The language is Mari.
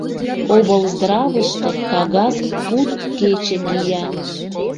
Облздравыште кагаз куд кече кия.